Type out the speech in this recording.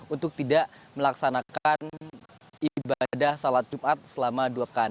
untuk tidak melaksanakan ibadah sholat jumat selama dua pekan